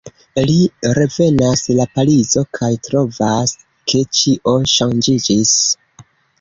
Li revenas la Parizo kaj trovas, ke ĉio ŝanĝiĝis.